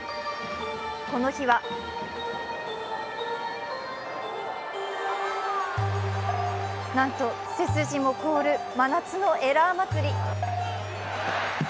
この日はなんと背筋も凍る真夏のエラー祭り。